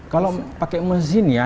kalau pakai mesin ya